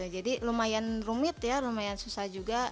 jadi lumayan rumit ya lumayan susah juga